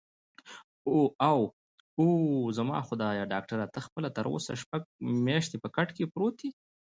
اووه، زما خدایه، ډاکټره ته خپله تراوسه شپږ میاشتې په کټ کې پروت یې؟